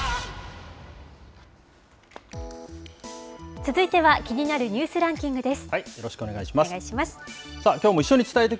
続いては気になるニュースランキングです。